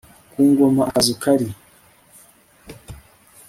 ku ngoma akazu kari